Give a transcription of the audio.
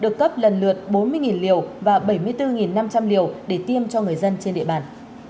được cấp lần lượt bốn mươi liều và bảy mươi bốn năm trăm linh liều để tiêm cho người dân trên địa bàn